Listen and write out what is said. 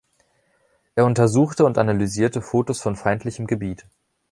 Er untersuchte und analysierte Fotos von feindlichem Gebiet.